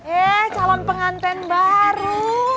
eh calon penganten baru